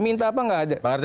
minta apa nggak ada